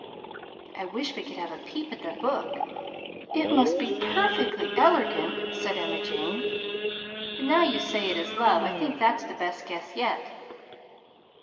"I wish we could have a peep at the book! It must be perfectly elergant!" said Emma Jane. "But now you say it is love, I think that's the best guess yet."